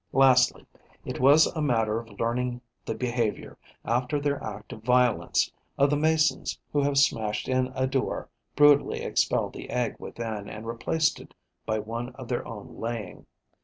Lastly, it was a matter of learning the behaviour, after their act of violence, of the Masons who have smashed in a door, brutally expelled the egg within and replaced it by one of their own laying.